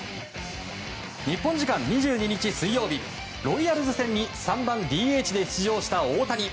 日本時間２２日、水曜日ロイヤルズ戦に３番ＤＨで出場した大谷。